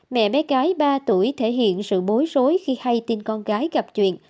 mẹ bé gái ba tuổi thể hiện sự bối rối khi hay tin con gái gặp chuyện